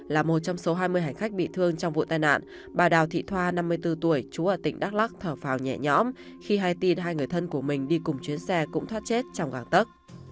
là một trong số hai mươi hành khách bị thương trong vụ tai nạn bà đào thị thoa năm mươi bốn tuổi chú ở tỉnh đắk lắc thở phào nhẹ nhõm khi hay tin hai người thân của mình đi cùng chuyến xe cũng thoát chết trong gàng tắc